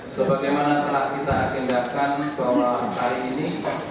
sebagaimana telah kita agendakan bahwa hari ini